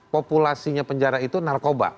populasinya penjara itu narkoba